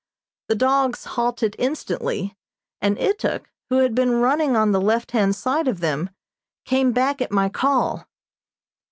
The dogs halted instantly, and Ituk, who had been running on the left hand side of them, came back at my call.